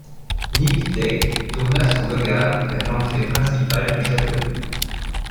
Nic Deck tourna son regard vers l’entrée principale du château.